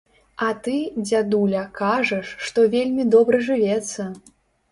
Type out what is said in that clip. А ты, дзядуля, кажаш, што вельмі добра жывецца.